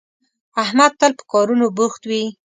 احمد تل په کارونو بوخت وي